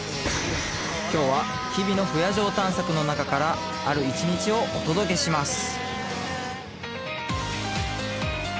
今日は日々の不夜城探索の中からある一日をお届けします